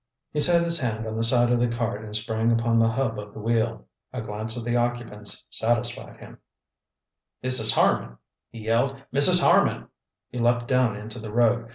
He set his hand on the side of the cart and sprang upon the hub of the wheel. A glance at the occupants satisfied him. "Mrs. Harman!" he yelled. "Mrs. Harman!" He leaped down into the road.